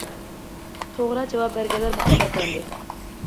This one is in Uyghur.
توغرا جاۋاب بەرگەنلەر مۇكاپاتلاندى.